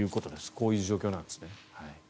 こういう状況なんですね。